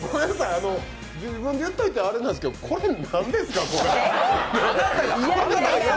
自分で言っといてあれなんですけど、これ何ですか？